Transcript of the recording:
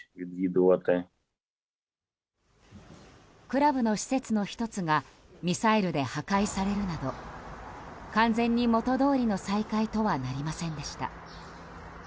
クラブの施設の１つがミサイルで破壊されるなど完全に元どおりの再開とはなりませんでした。